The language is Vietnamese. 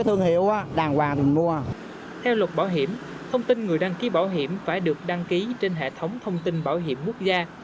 theo luật bảo hiểm thông tin người đăng ký bảo hiểm phải được đăng ký trên hệ thống thông tin bảo hiểm quốc gia